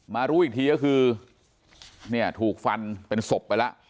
รู้อีกทีก็คือเนี่ยถูกฟันเป็นศพไปแล้ว